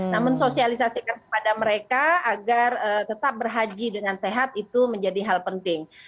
namun sosialisasikan kepada mereka agar tetap berhaji dengan sehat itu menjadi hal penting